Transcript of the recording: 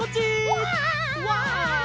うわ！